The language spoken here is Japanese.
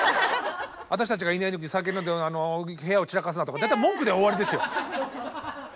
「私たちがいない時に酒飲んで部屋を散らかすな」とか大体文句で終わりですよ。